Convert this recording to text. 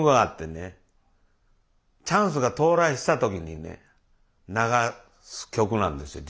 チャンスが到来した時にね流す曲なんですよ